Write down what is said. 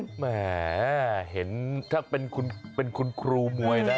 สมมติมองถ้าเป็นคุณครูมวยนะ